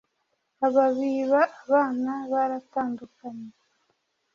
aba biba abana, baratandukanye,